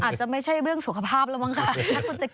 อาจจะไม่ใช่เรื่องสุขภาพแล้วมั้งค่ะ